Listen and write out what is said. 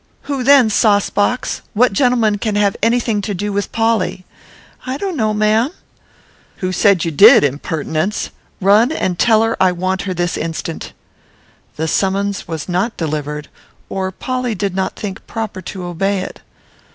Who then, saucebox? What gentleman can have any thing to do with Polly?" "I don't know, ma'am." "Who said you did, impertinence? Run, and tell her I want her this instant." The summons was not delivered, or Polly did not think proper to obey it.